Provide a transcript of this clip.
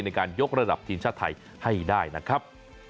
ในการยกระดับทีมชาติไทยให้ได้นะครับ